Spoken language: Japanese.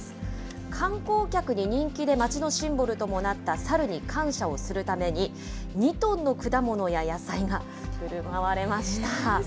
観光客に人気で、町のシンボルともなった猿に感謝をするために、２トンの果物や野菜がふるまわれました。